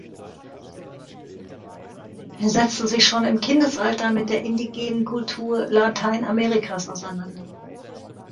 Er setzte sich schon im Kindesalter mit der indigenen Kultur Lateinamerikas auseinander.